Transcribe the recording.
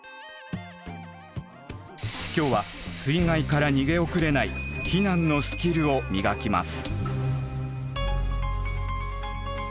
今日は水害から逃げ遅れない避難のスキルを磨きます。